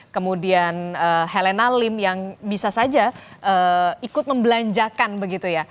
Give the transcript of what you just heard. kemudian helena lim yang bisa saja ikut membelanjakan begitu ya